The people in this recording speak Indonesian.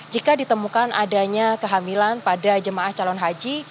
jika ditemukan adanya kehamilan pada jemaah calon haji